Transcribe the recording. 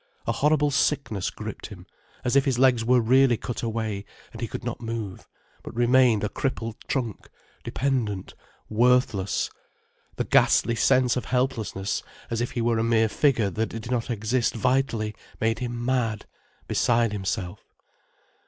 A horrible sickness gripped him, as if his legs were really cut away, and he could not move, but remained a crippled trunk, dependent, worthless. The ghastly sense of helplessness, as if he were a mere figure that did not exist vitally, made him mad, beside himself.